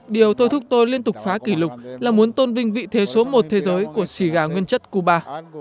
điều tôi thúc tôi liên tục phá kỷ lục là muốn tôn vinh vị thế số một thế giới của xì gà nguyên chất cuba